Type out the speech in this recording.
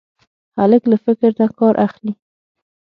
هلک له فکر نه کار اخلي.